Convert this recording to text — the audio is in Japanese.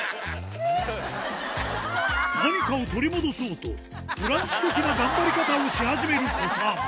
何かを取り戻そうと、ブランチ的な頑張り方を始める。